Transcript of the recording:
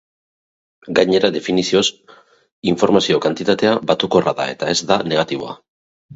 Gainera, definizioz, informazio kantitatea batukorra da eta ez da negatiboa.